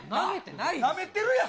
なめてるやん。